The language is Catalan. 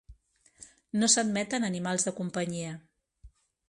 No s'admeten animals de companyia.